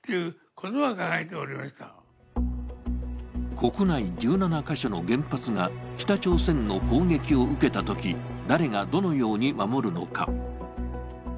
国内１７か所の原発が北朝鮮の攻撃を受けたとき、誰がどのように守るのか。